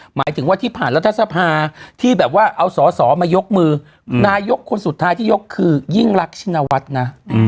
หมายถึงว่าที่ผ่านรัฐสภาที่แบบว่าเอาสอสอมายกมือนายกคนสุดท้ายที่ยกคือยิ่งรักชินวัฒน์นะ